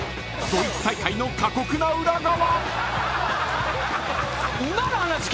［ドイツ大会の過酷な裏側］